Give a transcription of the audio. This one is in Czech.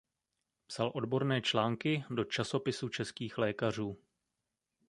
Psal odborné články do "Časopisu českých lékařů".